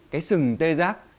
cái sừng tê giác